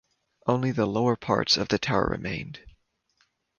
Only the lower parts of the tower remained.